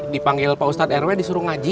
dipanggil pak ustadz rw disuruh ngaji